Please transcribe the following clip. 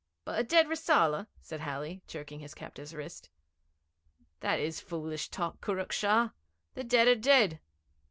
'But a dead Rissala,' said Halley, jerking his captive's wrist. 'That is foolish talk, Kurruk Shah. The dead are dead.